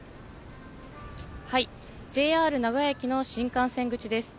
ＪＲ名古屋駅の新幹線口です。